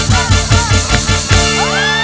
แย่เลย